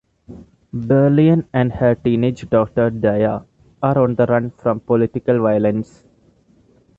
Berlian and her teenage daughter Daya are on the run from political violence.